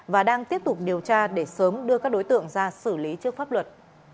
và đang tiếp tục điều tra để sớm đưa các đối tượng ra xử lý trước pháp luật